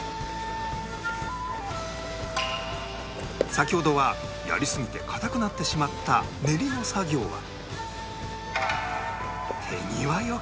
先ほどはやりすぎて硬くなってしまった練りの作業は